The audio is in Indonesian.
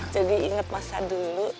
jadi inget masa dulu